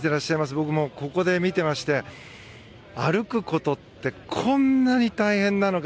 僕、もうここで見ていまして歩くことってこんなに大変なのか。